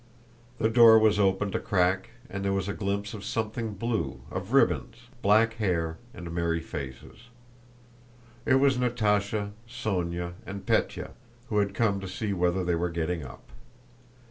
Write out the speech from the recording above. The door was opened a crack and there was a glimpse of something blue, of ribbons, black hair, and merry faces. It was Natásha, Sónya, and Pétya, who had come to see whether they were getting up.